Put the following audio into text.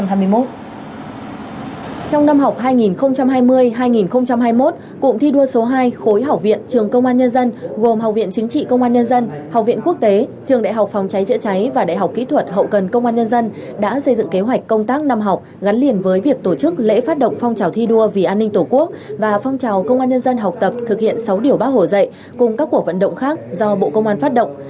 trong năm học hai nghìn hai mươi hai nghìn hai mươi một cụm thi đua số hai khối học viện trường công an nhân dân gồm học viện chính trị công an nhân dân học viện quốc tế trường đại học phòng cháy chữa cháy và đại học kỹ thuật hậu cần công an nhân dân đã xây dựng kế hoạch công tác năm học gắn liền với việc tổ chức lễ phát động phong trào thi đua vì an ninh tổ quốc và phong trào công an nhân dân học tập thực hiện sáu điều bác hổ dạy cùng các cuộc vận động khác do bộ công an phát động